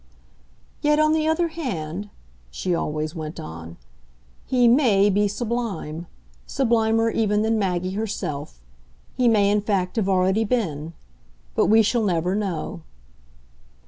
"Yet on the other hand," she always went on, "he MAY be sublime: sublimer even than Maggie herself. He may in fact have already been. But we shall never know."